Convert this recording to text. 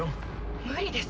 無理です